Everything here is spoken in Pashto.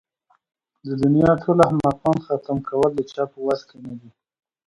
د دنيا ټول احمقان ختم کول د چا په وس کې نه ده.